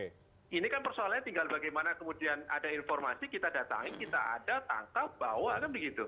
nah ini kan persoalannya tinggal bagaimana kemudian ada informasi kita datangin kita ada tangkap bawa kan begitu